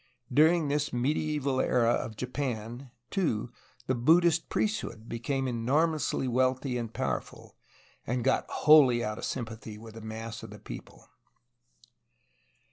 During this medieval era of Japan, too, the Buddhist priesthood became enormously wealthy and powerful, and got wholly out of sympathy with the mass of the people.